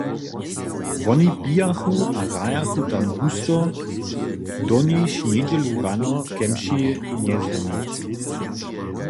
Woni pijachu a hrajachu tam husto, doniž njedźelu rano kemši njezwoni.